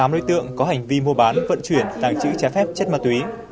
ba trăm ba mươi tám đối tượng có hành vi mua bán vận chuyển tàng trữ trái phép chết mặt túy